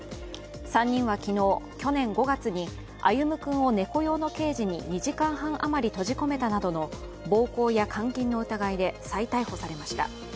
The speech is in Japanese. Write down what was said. ３人は昨日、去年５月に歩夢君を猫用のケージに２時間半余り閉じ込めたなどの暴行や監禁の疑いで再逮捕されました。